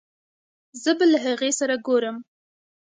زه به له هغې سره ګورم